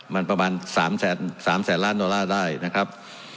มันประมาณ๓แสนล้านดอลลาร์ได้นะครับ